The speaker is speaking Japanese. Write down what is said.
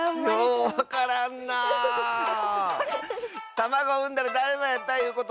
たまごをうんだらだるまやったいうことか？